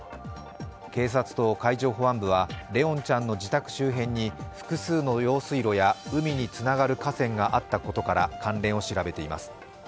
警察と海上保安部は怜音ちゃんの自宅周辺に複数の用水路や海につながる河川があったことから関連を調べています。